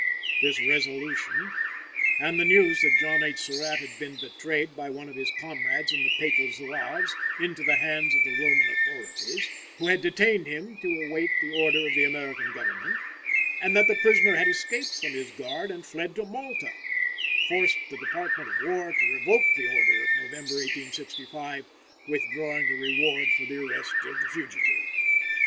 This resolution, and the news that John H. Surratt had been betrayed by one of his comrades in the Papal Zouaves into the hands of the Roman authorities, who had detained him to await the order of the American Government, and that the prisoner had escaped from his guard and fled to Malta, forced the Department of War to revoke the order of November, 1865, withdrawing the reward for the arrest of the fugitive.